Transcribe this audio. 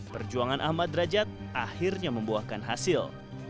perjuangan ahmad derajat akhirnya membuahkan hasil